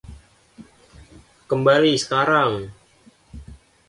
Kembalilah sekarang.